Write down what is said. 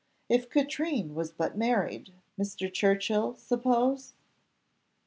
"If Katrine was but married Mr. Churchill, suppose?"